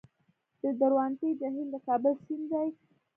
د درونټې جهیل د کابل سیند دی